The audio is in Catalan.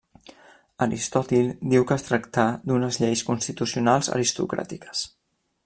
Aristòtil diu que es tractà d'unes lleis constitucionals aristocràtiques.